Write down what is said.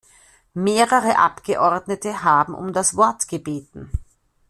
Mehrere Abgeordnete haben um das Wort gebeten.